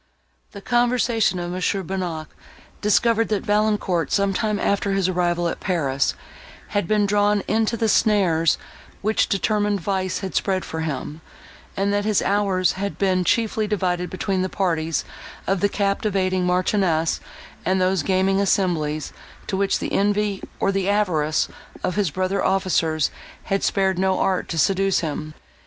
The conversation of Mons. Bonnac discovered, that Valancourt, some time after his arrival at Paris, had been drawn into the snares, which determined vice had spread for him, and that his hours had been chiefly divided between the parties of the captivating Marchioness and those gaming assemblies, to which the envy, or the avarice, of his brother officers had spared no art to seduce him.